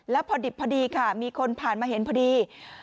แล้วพอดิบพอดีค่ะมีคนผ่านมาเห็นพอดี